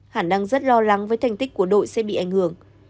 hẳn đang rất lo lắng với thành tích của đội sẽ bị ảnh hưởng